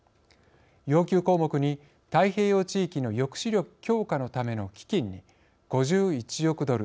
要求項目に太平洋地域の抑止力強化のための基金に５１億ドル